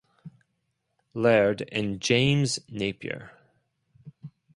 Laird and James Napier.